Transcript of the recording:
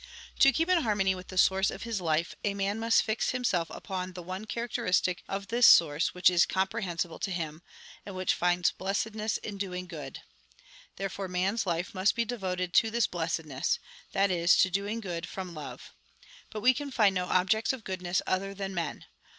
To keep in harmony with the source of his life, a man must fix himself upon the one characteristic of this source which is comprehensible to him, and which finds blessedness in doing good. Therefore man's life must be devoted to this blessedness ; that is, to doing good from love. But we can find no objects of goodness other than men.